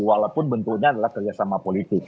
walaupun bentuknya adalah kerjasama politik